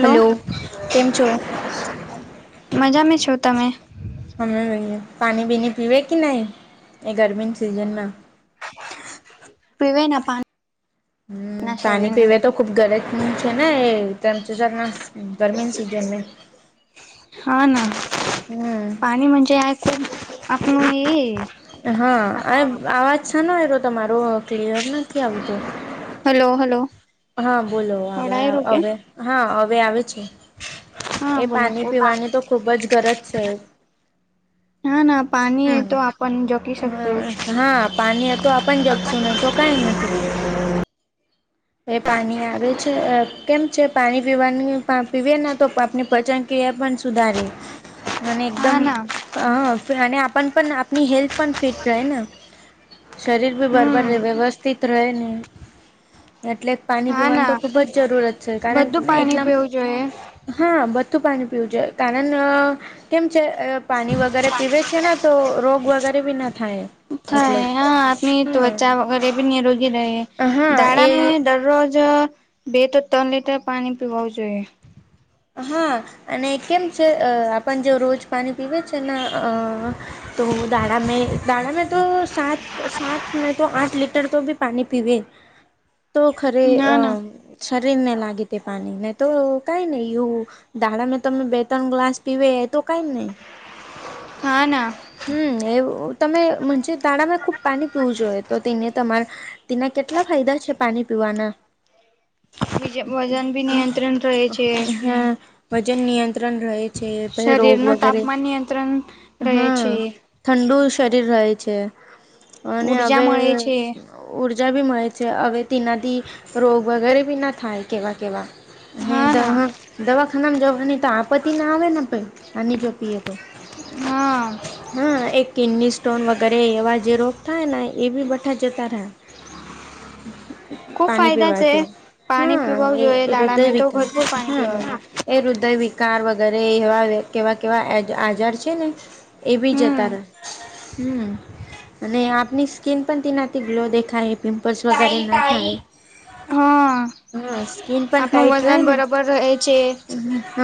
Hello કેમ છો? મજા મે છો તમે? પાની બીની પીવે કે નહી એ ગરમીની સિઝનમાં? પીવે ના પાન હમ્મ પાની પીવે તો ખુબ ગરજ ની છે. એ [inaudible] ગરમીની સીઝન મેં હા ના પાણીમાં જે [inaudible] આપનું એ હા અને આવાજ શાનો આયરો તમારો? ક્લિયર નથી આવતો. હલો હલો હા બોલો હવે અવડાય રો કે હવે હા હવે આવે છે. હા એ બોલો પાની પીવાની તો ખૂબ જ ગરજ છે. પાની એ તો આપન [inaudible] હા પાણી તો આપણ જગશું નહી તો કાંઈ નથી [unintelligible] એ પાની આવે છે. કેમ છે પાણી પીવાની પીવેને તો આપને પજન કે એ પન સુધારે અને હા એકદમ ના હહ અને આપન પન આપની હેલ્થ પન ફિટ રહેન શરીર ભી બરબર હમ રેવે વ્યવસ્થિત રહેને પાની હા પીવાની તો ના ખૂબ જ જરૂરત છે, કારણ બધું કે પાણી એટલા માં પીવું જોઈએ હા બ તું પાની પીવું જોઈએ. કારન કેમ છે, અ પાની વગર એ પીવે છે ને તો રોગ વગર કયારે બી ન થાય. એટલે થાય હા આપની હા ત્વચા વગર એ બી નિરોગી રહે હા દાડામે એ દરરોજ બે તો ત્રણ લીટર પાની પીવો જોઈએ. હા અને કેમ છે આપણ જો રોજ પાની પીવે છે ન અ તો દાળા મે દાળા મેં તો સાત સાત નહીં તો આઠ લીટર તો ભી પાની પીવે. તો ખરે ના અ ના શરીરને લાગે તે પાની નહીં તો કાંઈ નહી. યુ દાડામે તમે બે ત્રણ ગ્લાસ પીવે એ તો કાંઈ નહી. હા ના હમ્મ એ તમે મજે દાડામે ખૂબ પાની પીવું જોઈએ. તો તેને તમાર તેના કેટલા ફાયદા છે પાની પીવાના? બીજ વજન બી નિયંત્રણ રહે છે. હમ વજન નિયંત્રણ રહે છે. પહે રોગ શરીરનું વગેરે તાપમાન નિયંત્રણ રહે હહ છે. ઠંડુ શરીર રહે છે અને ઉર્જા હવે મળે છે. ઉર જા બી મળે છે, હવે તેનાથી રોગ વગેરે બી ન થાય કેવા કેવા નહીં હા તો ના હું દવા ખાનામાં જવાની તો આપત્તિ ના આવે ને પહી પાની જો પીએ તો. હહ. ટોન વગેરે એવા જે રોગ થાય ને એ બી બઠા જતા રહે. ખુબ પાણી ફાયદા છે. પીવાથી પાણી હા પીવાવું જોઈએ એ દાડા મે તો હૃદયવિક ભરપૂર પાણી હમ પીવાવું એ હૃદયવિક કાર વગેરે એવા કેવા કેવા આજાર છે ને એ બી હમ જતા. હમ અને આપની સ્કીિન પણ તેનાથી ગ્લો દેખાય. બસ વગરે તાઈ ના તાઈ થાય હા હા સ્કીન પણ આપણું ટાઇટ ન વજન ને બરાબર રહે છે. હ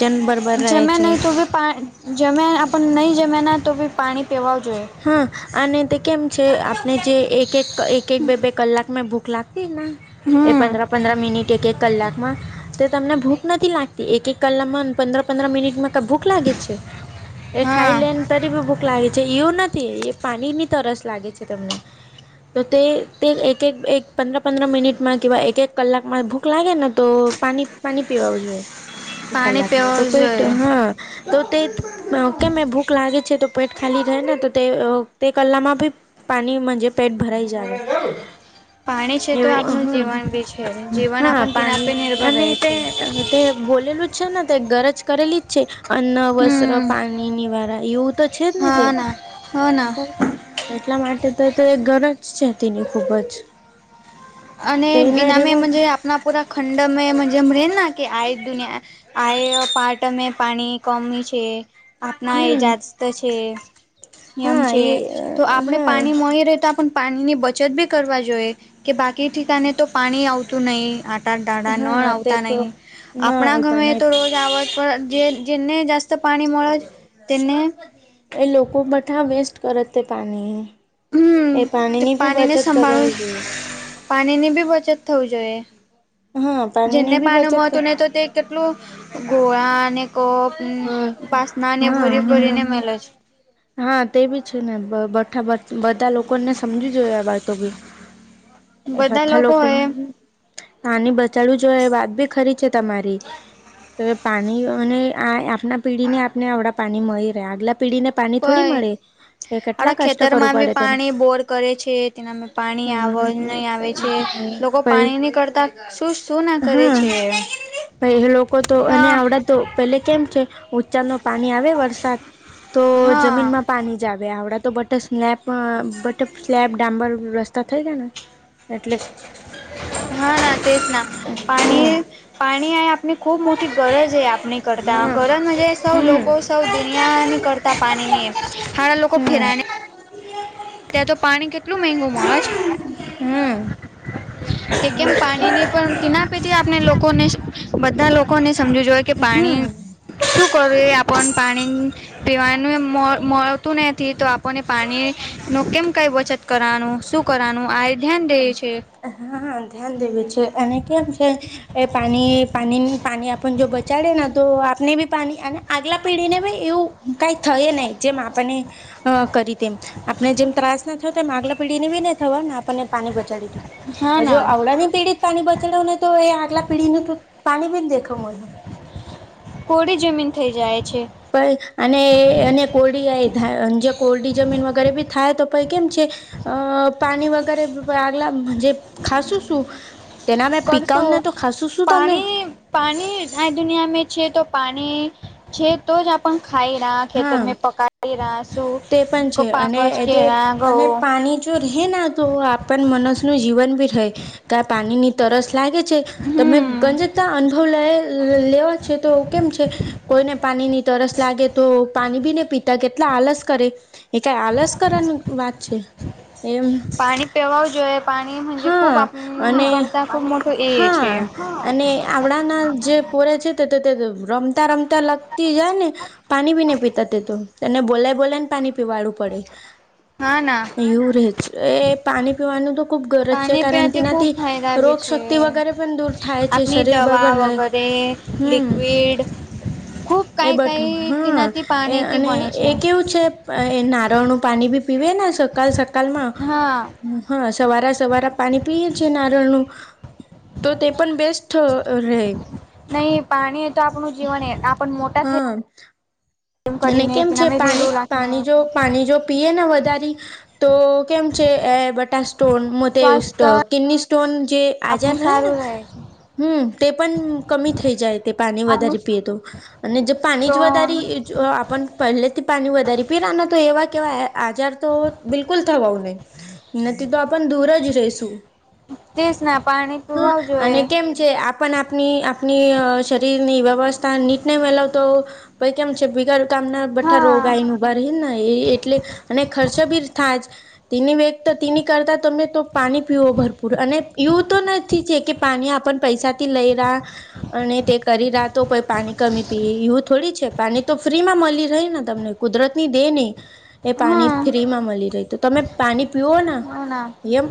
વજન બરબર રહે જમ્યા છે. નહીં તો બી પાણી જમ્યા આપ નહીં જમ્યા ન તો બી પાણી પીવા જોઈએ હા અને તે કેમ છે આપણે જે એક એક એક એક બે બે કલાકમાંં ભૂખ લાગ એ હમ પંદર પંદર મિનિટ એક એક કલાકમાં તે તમને ભૂખ નથી લાગતી એક એક કલામાં પંદર પંદર મિનિટમાં કઈ ભૂખ લાગે છે, એ ખાઈ હા લને તરી ભી ભૂખ લાગી. જે એવું નથી એ પાણીની તરસ લાગે છે તમને તો તે તે એક એક પંદર પંદર મિનિટમાં કે એક એક કલાકમાં ભૂખ લાગે ને તો પા પાણી પીવાવુ જોઈએ. એક પાણી કલાકમાં તો પીવાવું પેટ જોઈએ. હા તો તે કેમે ભૂખ લાગે છે તો પેટ ખાલી રહે ને તો તે તે કલામાં ભી પાણીજ પેટ ભરાઈ જાય. પાણી છે એ તો આપણું જીવન બી છે હ જીવન હા આપણ તેના પાણી પર નિર્ભર અને રહે છે. તે બોલેલું જ છે ને તે ગરજ કરેલી જ છે અન્ન વસ્ત્ર હમ પાણી નિ વારા એવું તો એટલે જ ને તે હા ના હા ના. એટલા માટેજ માટે તો ઘર જ છે તેની ખુબ જ અને તે ન રહેવા એનામેજ આપણા પૂરા ખંડ મે જેમ ર કે આ દુનિયા આ પાર્ટમે પાણી કોમી છે. આપણા એ હમ જાસ્ત છે નિયમ હા છે તો આપણે એ પાણી મળી રહે તો આપ પાણી ની બચત બી કરવા જોઈએ કે બાકી ઠિકાને તો પાણી આવતું નહી. ન હા હા તે આવતા તો નહી ના આપણા આવતા ગમે નહી તો રોજ આવજ જેને પાણી મળે જ તેને એ લોકો વેસ્ટ કરે તે પાણી હમ એ પાણીની બી બચત કરાવવી જોઈએ. પાણી ની બી બચત થવું જોઈએ. હા જેને પાણીની બી બચત પાનું મો કર હતું ને તો તે કેટલું ગોળા અનેને કપ હા પાસના ને ભરી હા ભરીને મેલો છે. હા તે બી છે ને બા બધા લોકોને સમજી જોઈએ આ વાતો બી એ બધા વાથ લોકો લોકોક હોય પાની બચડવું જોઈ એ વાત બી ખરી છે તમારી. તો પાણી અને આપના પીઢીને આપને આવડા પાણી મળી રહે આગલા પીઢી ને પાણી થોડી મળે? એ કેટલા આણા કષ્ટ ખેતર કરવું માં બી પડે તેને પાણી બોર કરે છે તેના પાણી આવ નહી આવે છે. લોકો પઈ પાણી ની કરતા શું શું ના કરે છે? પછ લોકો તો અને હા આવડા તો પેલે કેમ છે ઉંચાલ ન પાણી આવે વરસાદ તો હા જમીનમાં પાણી જાડ હવે આવડા તો બટર સ્લેબ બટર સ્લેબ ડામબર રસ્તા થઈ ગયા ને. એટલે હા ના તે જ ના હમ પાણી પાણી આ આપની ખૂબ મોટી ગરજ છે. ન કરતા ઘર મજ સૌ હમ લોકો સૌ દુનિયાની કરતાં પાણીની એ હડા લોકો હમ ફેરાણે હમ ત્યાં તો પાણી કેટલું મગું મળે છે? હ. તે કેમ પાણીની પણ તેના પેથી આપણે લોકોને બધા લોકોને સમજવ જોએ કે પાણી. હમ શું કરું આપને પાણી પીવાનું મળતું નથી તો આપણને પાણી નું કેમ કઈ બચત કરવાનું શું કરવાનું આ ધ્યાન દે છે હા, ધ્યાન દેવું જોઈએ એને કેમ એ પાણી પાણી પાણી આપ જો ચડે ને તો આપને બી પાણી અને આગલા પેઢીને ભી એવું કઈ થાય નહી. જેમ આપણને અ કરી તેમ આપણે જેમ ત્રાસ ના થયો, તેમ આગલા પીઢીને બી ન થવા ને આપણને પાણી બચાડી દી હા હજુ ના આપણાંની પીઢી પાણી બગાડે ને તો એ આગલા પેઢીને તો પાણી બી દેખાવ મળે. ઓડી જ પણ અને અને કોરડી જે કોરડી જે જમીન વગેરે બી થાય તો પછી કેમ છે, અ પાણી વગેરે આગલા જે ખાસું સું કરશું પાણી પાણી આ દુનિયામાં છે, તો પાણી અને છે, તો જ આપ ખાઈ રહ્યા, હા ખેતરને પકડી રહ્યા, તે પણ શું છે પાક અને જ એ કે તે ઘઉ અને પાણી જો રહેના, તો આપ મનસનું જીવન ભી રહે કા પાણીની તરસ લાગે છે, તમે હમ ગજતા અનુભવ લેવા છે, તો કેમ છે કોઈને પા પાણીની તરસ લાગે પાણીબી ન પીતા કેટલા આલસ કરે, એ કઈ આલસ કરવાની વાત છે. એમ પાણી પીવું જોઈએ પાણી ખુબ હા જ આપણ અને નીકળતા ખુબ મોટો એ હા છે. અને આવડાના જે પોરે છે રમતા-રમતા લગતી જાય ને પાણીબી ન પીતા તે તો તેને બોલા બોલે ને પાણી પીવાડું પડે, હા ના એવું રેજ એ પાણી પીવાનું તો ખૂબ ગરજ છે, પાણી કારણ પીવાથી ખૂબ એનાથી ત ફાયદા બી છે. રોગશક્તિ વગેરે પણ દૂર થાય છે, શરીર બરોબર રહે. કે હમ લિક્વિડ ખૂબ એ કાંઈ [unintelligible] કાંઈ હા, તેનાથી એ પાણીથી અને બને એ છે. કેવું છે, એ નારિયેળનું પાણી બી પીવે ને સકાલ કલમાં હા હા, સવાર-સવાર પાણી પી છે, નારીયેળનું તો તે પણ બેસ્ટ રહે નહી પાણી તો, આપણું જીવન આપણ મોટા થઈ હા એમ અને કરીને કેમ છે, તેનામે રેડું રાખીને પાણી જો પાણી જો પીએ ને વધારે તો કેમ છે, બટ સ્ટોન, સ્વાસ્થ્ય કિડની સ્ટોન જે આજાર આપણું રહે ને સારું છે. હમ્મ તે પણ કમી થઈ જાય તે પાણી આપણું વધારે પીએ, તો અને જે પાણી જ સ્ટોન વધારે આપ પહેલેથી પાણી વધારે પીવાના, તો એવા કેવા આજાર તો બિલકુલ થવા નથી તો આપણે દૂર જ રેશુ. તેજ ના પાણી હા, પીવાવ અને જોઈએ કેમ છે, આપની આપની શરીરની વ્યવસ્થા નીટને [inaudible] મેલાવતો ભાઈ કેમ છે, બગર તમને હા બધા તેની કરતા તમે તો, પાણી પીવો ભરપૂર અને એવું તો નથી છે, કે પાણી આપણ પૈસાથી લઈ રહ્યાં અને તે કરી રહ્યાં તો કોઈ પાણી કમી પી એવું થોડી છે. પાણી તો ફ્રીમાં મળી રહે ને, તમને કુદરતની દે નહી એ પાણી હા ફ્રીમાં મળી રહે. તો, તમે પાણી પીવ હ ના એમ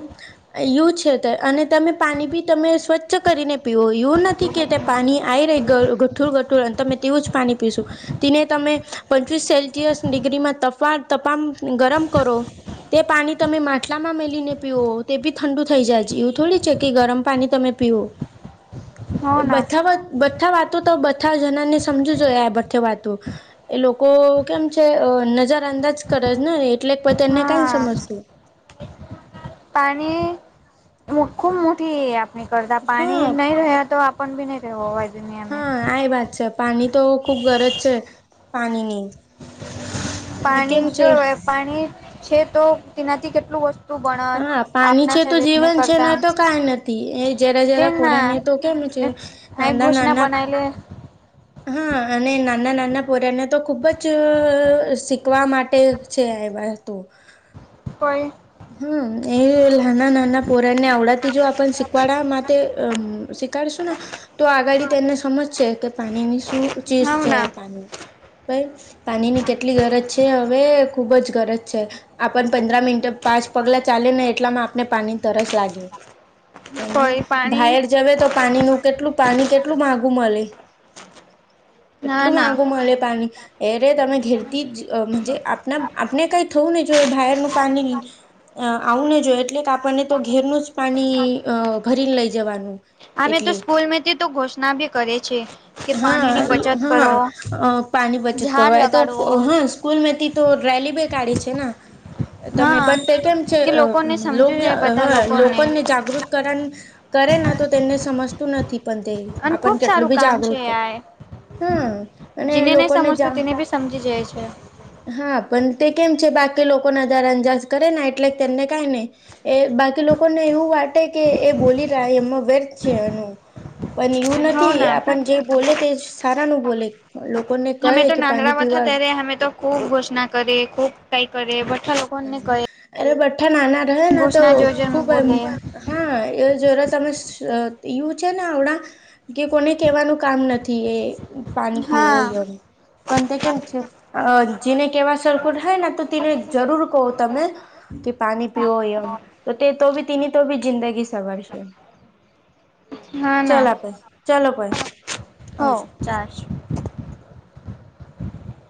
યું છે તે, અને તમે પાણી બી તમે સ્વચ્છ કરીને પીવો, એવું નથી કે તે પાણી આવી ગઠુર-ગઠુર અને તમે તેવું જ પાણી પીશું. તેને, તમે પચચીસ સેલ્સિયસ ડિગ્રીમાં તપમાન પર ગરમ કરો. તે, પાણી તમે માટલામાં મેલીને પીઓ, તે બી ઠંડુ થઈ જાય છે. એવું થોડુ છે, કે ગરમ પાણી તમે પીવો. [inaudible] બધી વાતો તો બધા જનાને સમજવું જોઈએ. આ બ થવાતું એ લોકો કેમ છે, નજર અંદાજ કરે ને? એટલે ત એને કઈ સમજતું પાણી ખુબ મોટી નીકળતા પાણી હા નહી રહ્યા તો આપણ બી નહી રહેવવા દુનિયામે હા આ વાત છે પાણી તો ખુબ ગરજ છે પાણીની અને પાણી કેમ છે જો પાણી છે તો તેનાથી કેટલું વસ્તુ બણત હા પાણી આપના છે તો શરીરને જીવન છે કરતા ને તો કઈ નથી એ જરા જરા તેના પોરાને તો કેમ આ નાના ઘોષણા નાના બનાયલે હા અને નાના નાના પોર્યાને તો ખુબ જ અહહ શીખવા માટે છે એવા તો [unintelligible] કોઈ હમ એ નાના નાના પોરા ને આવડતી જો આપણને શીખવાડવા માટે અહહ શીખડશું તો આગળ તેને સમજશે કે પાણી ની શું ચીજ હવ છે ના આ પાણી ભાઈ પાણીની કેટલી ગરજ છે હવે ખુબ જ ગરજ છે આપણ પંદ્ર મિનટ પાંચ પગલા ચલેને એટલામાં આપને પાણી તરસ લાગે અને કોઈ પાણી બાયર જવે તો પાણી ન કેટલું પાણી કેટલું માગ મલે ના કેટલું ના માઘું મલે પાણી એરે તમે ઘેરતી જ જ આપ આપણે કઈ થવું નહી જો બહારનું પાણી અહહ આવુંને જો એટલે કે આપણને તો ઘેરનું જ પાણી અહહ ભરીને લઈ જવાનું અમે તો એટલે સ્કૂલમાંથી તો ઘોષણા બી કરે છે કે હા પાણી ની ઈ બચત હા કરો અ પાણી બચત ઝાડ કરય તો લગાડવો હા સ્કૂલમેથી તો રેલી બે કાઢી છે ને તમે હા પણ તે તેમ છે કે લોકોને સમજવું જોઈએ બધા હ લોકોને જાગૃત કરન કરે ના તો તેમને સમજતું નથી પણ તે અને આપને ખુબ કેટલું સારું બી કામ છે જાગૃત કરે આ હા અને જેને નહી લોકોને જ સમજતું તેને બી સમજી જાય હા પણ તે કેમ છે બાકી લોકોના [unintelligible] કરે ને એટલે તેમને ક નહી એ બાકી લોકોને એવું વાટે કે એ બોલી રહ એમાં વ એનું પણ છે એવું હો નથી ના આપ જે બોલે તે સારા નું બોલે લોકોને કહે અમે તો કે પાણી નાંદડામાંથા પીવા તરે અમે તો ખૂબ ઘોષણા કરે ખૂબ કઈ કરે બ નાના અરે બઠા નાના રહે તો ઘોષણા જોજન ખુબ એમ બોલે હા એ જોરા તમે એવું છે ને આવડા કે કોને કેવાનું કામ નથી એ પાણી પીવું હા હોય એ પણ તે કેમ છે જેને કેવા સરર્કુટ થાય તો તેને જરૂર કહો તમે કે પાણી પીઓ એમ તો તે તો બી તેની તો બી જિંદગી સવરશે કેમ હા ના ચાલો ભાઈ હો આવજો ચારશ